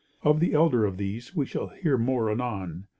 Of the elder of these, we shall hear more anon.